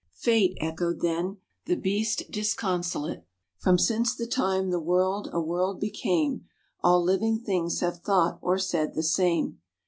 "Fate!" echoed then the beast disconsolate. From since the time the world a world became, All living things have thought or said the same.